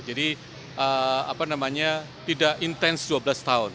jadi tidak intense dua belas tahun